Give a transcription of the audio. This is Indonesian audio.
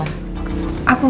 udah makan mak